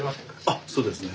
あっそうですね。